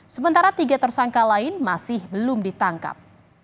sementara tiga tersangka lain masih belum ditangkap